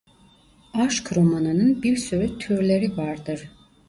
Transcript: Aşk romanının bir sürü türleri vardır.